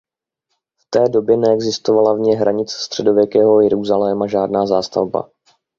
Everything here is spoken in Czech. V té době neexistovala vně hranic středověkého Jeruzaléma žádná zástavba.